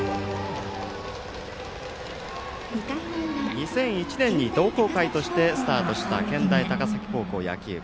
２００１年に同好会としてスタートした健大高崎高校野球部。